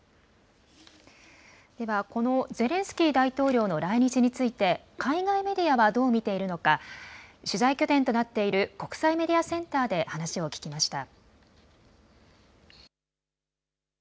では、このゼレンスキー大統領の来日について、海外メディアはどう見ているのか、取材拠点となっている国際メディアセンターで話を聞きました。